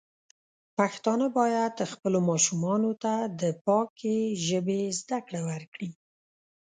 پښتانه بايد خپلو ماشومانو ته د پاکې ژبې زده کړه ورکړي.